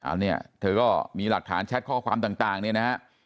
อันนี้เธอก็มีหลักฐานแชทข้อความต่างเนี่ยนะฮะ